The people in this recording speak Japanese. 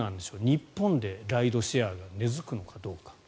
日本でライドシェアが根付くのかどうか。